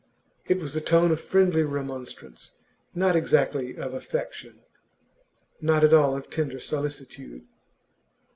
It was the tone of friendly remonstrance, not exactly of affection, not at all of tender solicitude.